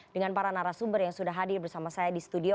dengan para narasumber yang sudah hadir bersama saya di studio